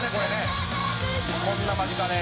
「こんな間近で」